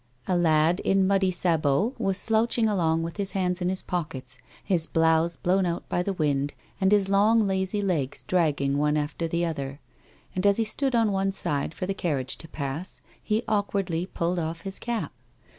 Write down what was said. A lad, in muddy sabots, was slouching along with his hands in his pockets, his blouse blown out by the wind and his long, lazy legs dragging one after the other, and, as he stood on one side for the carriage to pass, he awkwardly pulled off his cap.